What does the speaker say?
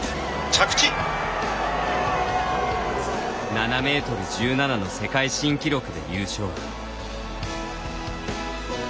７ｍ１７の世界新記録で優勝。